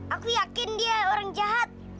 aku yakin dia orang jahat